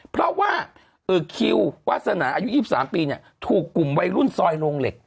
เพราะว่าคิววาสนาอายุ๒๓ปีถูกกลุ่มวัยรุ่นซอยโรงเหล็ก